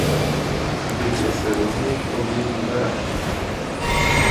V bytě se rovněž objeví Vera.